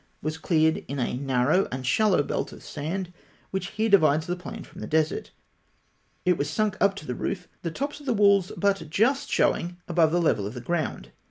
93) was cleared in a narrow and shallow belt of sand, which here divides the plain from the desert. It was sunk up to the roof, the tops of the walls but just showing above the level of the ground.